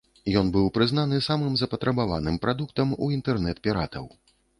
Ён быў прызнаны самым запатрабаваным прадуктам у інтэрнэт-піратаў.